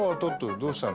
どうしたの？